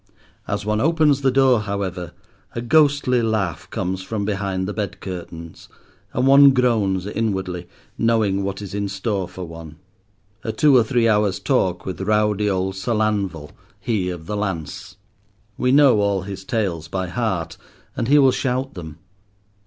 As one opens the door, however, a ghostly laugh comes from behind the bed curtains, and one groans inwardly, knowing what is in store for one: a two or three hours' talk with rowdy old Sir Lanval—he of the lance. We know all his tales by heart, and he will shout them.